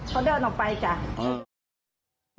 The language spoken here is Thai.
เขาเดินออกไปจ้ะ